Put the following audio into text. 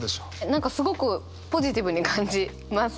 何かすごくポジティブに感じます。